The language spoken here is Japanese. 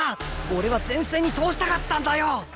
俺は前線に通したかったんだよ！